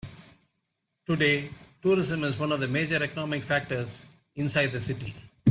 Today, tourism is one of the major economic factors inside the city.